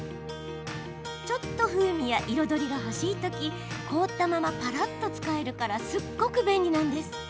ちょっと風味や彩りが欲しい時凍ったままぱらっと使えるからすっごく便利なんです。